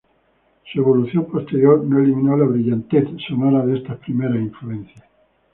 Su evolución posterior no eliminó la brillantez sonora de estas primeras influencias.